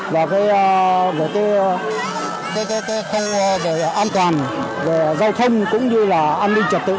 và về cái không an toàn về giao thông cũng như là an ninh trật tự